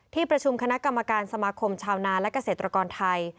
ที่ประชุมคณะกรรมการสมาคมชาวนาและเกษตรกรไทย